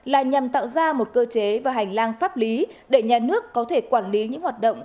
là nhằm tạo ra một cơ chế và hành lang pháp lý để nhà nước có thể quản lý những hoạt động